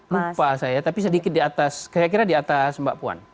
lupa saya tapi sedikit di atas kira kira di atas mbak puan